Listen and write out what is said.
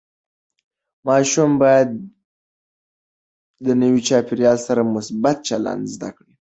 ماشوم باید د نوي چاپېریال سره مثبت چلند زده کړي.